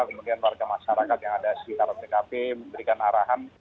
kemudian warga masyarakat yang ada si rkp memberikan arahan